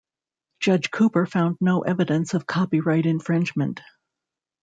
Judge Cooper found no evidence of copyright infringement.